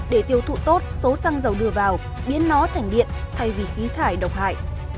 để tiêu thụ tốt số xăng dầu đưa vào biến nó thành điện thay vì khí thải độc hại